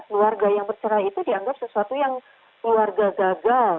keluarga yang bercerai itu dianggap sesuatu yang keluarga gagal